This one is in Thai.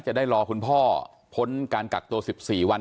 จะได้รอคุณพ่อพ้นการกักตัว๑๔วัน